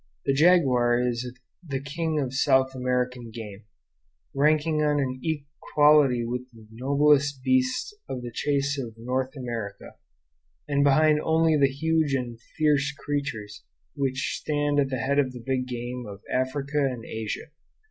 The jaguar is the king of South American game, ranking on an equality with the noblest beasts of the chase of North America, and behind only the huge and fierce creatures which stand at the head of the big game of Africa and Asia.